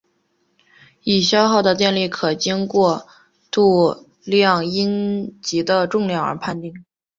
已消耗的电力可经过量度阴极的重量而断定。